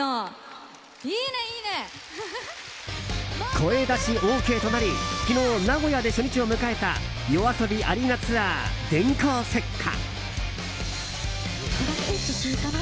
声出しＯＫとなり昨日、名古屋で初日を迎えた「ＹＯＡＳＯＢＩＡＲＥＮＡＴＯＵＲ“電光石火”」。